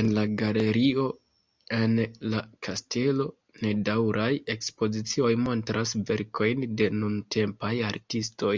En la "Galerio en la kastelo" nedaŭraj ekspozicioj montras verkojn de nuntempaj artistoj.